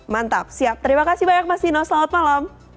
mantap siap terima kasih banyak mas dino selamat malam